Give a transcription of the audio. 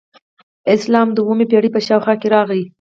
اسلام د اوومې پیړۍ په شاوخوا کې راغی